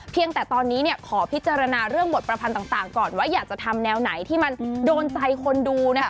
แต่ตอนนี้ขอพิจารณาเรื่องบทประพันธ์ต่างก่อนว่าอยากจะทำแนวไหนที่มันโดนใจคนดูนะคะ